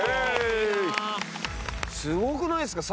すごくないですか？